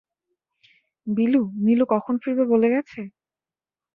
বিলু, নীলু কখন ফিরবে-বলে গেছে?